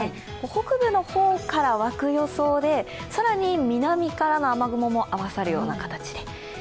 北部の方から湧く予想で、更に南からの雨雲も合わさるような形で。